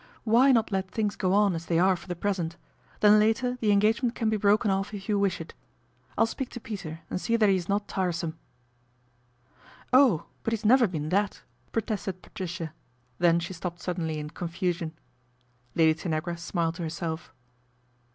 " Why not let things go on as they are for the present, then later the engagement can be broken off if you wish it. I'll speak to Peter and see that he is not tiresome." " Oh, but he's never been that !" protested Patricia, then she stopped suddenly in confusion. Lady Tanagra smiled to herself.